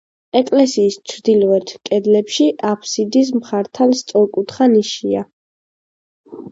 ეკლესიის ჩრდილოეთ კედლებში, აფსიდის მხართან სწორკუთხა ნიშია.